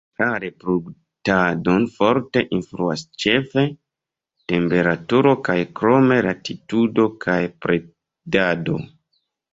La reproduktadon forte influas ĉefe temperaturo kaj krome latitudo kaj predado.